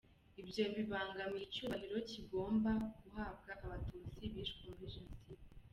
Ibyo bibangamiye icyubahiro kigomba guhabwa Abatutsi bishwe muri Jenoside.